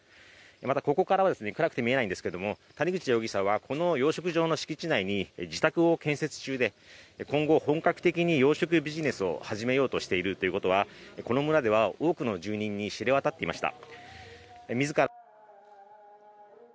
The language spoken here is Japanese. またここから暗くて見えないんですけども、谷口容疑者はこの養殖場の敷地内に自宅を建設中で今後本格的に養殖ビジネスを始めようとしているということはこの村では多くの住人に知れ渡っていました。